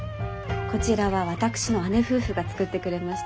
こちらは私の義姉夫婦が作ってくれました。